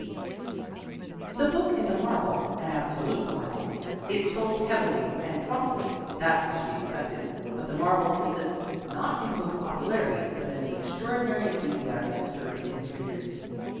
B. C" The book is a marvel an absolute marvel. It sold heavily and promptly, that was to be expected; but the marvel consists not in the book's popularity but in the extraordinary enthusiasm it stirred in its read ers.